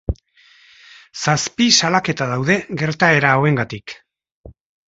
Zazpi salaketa daude, gertaera hauengatik.